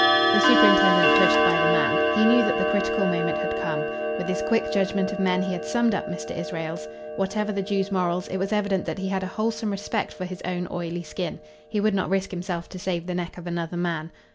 The superintendent pushed by the man. He knew that the critical moment had come. With his quick judgment of men he had summed up Mr. Israels. Whatever the Jew's morals, it was evident that he had a wholesome respect for his own oily skin. He would not risk himself to save the neck of another man.